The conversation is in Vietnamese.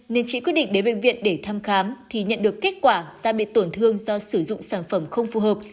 nên chị quyết định đến bệnh viện để thăm khám thì nhận được kết quả da bị tổn thương do sử dụng sản phẩm không phù hợp